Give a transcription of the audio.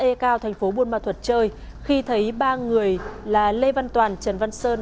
xã e cao tp buôn ma thuật chơi khi thấy ba người là lê văn toàn trần văn sơn